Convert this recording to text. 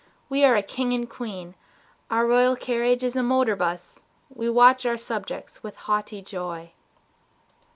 We are a king and queen, Our royal carriage is a motor bus, We watch our subjects with a haughty joy.